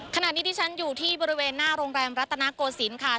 ขณะนี้ที่ฉันอยู่ที่บริเวณหน้าโรงแรมรัตนโกศิลป์ค่ะ